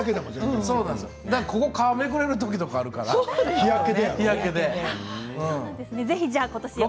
ここめくれることあるから日焼けで。